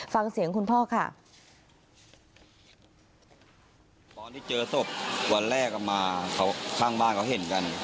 ฟังเสียงคุณพ่อค่ะ